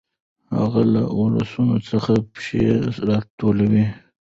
هغه له ولسونو څخه پيسې راټولولې.